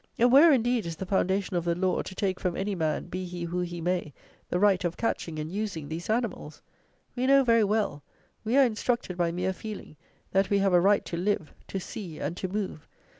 And where, indeed, is the foundation of the Law, to take from any man, be he who he may, the right of catching and using these animals? We know very well; we are instructed by mere feeling, that we have a right to live, to see and to move.